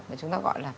mà chúng ta gọi là